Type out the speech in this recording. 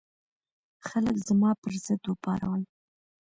خلک زما پر ضد وپارول.